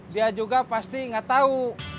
dia juga pasti gak tau